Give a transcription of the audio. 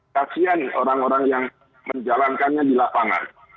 kasian orang orang yang menjalankannya di lapangan